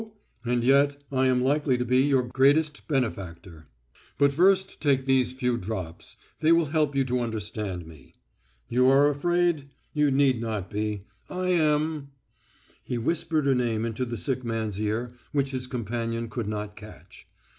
And yet I am likely to be your greatest benefactor. But first take these few drops; they will help you to understand me. You are afraid? You need not be. I am—" He whispered a name into the sick man's ear which his companion could not catch.